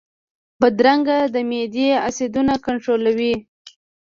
بادرنګ د معدې اسیدونه کنټرولوي.